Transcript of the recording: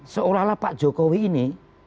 seolah olah pak jokowi ini